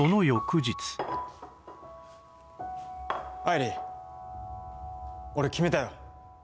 愛梨、俺、決めたよ。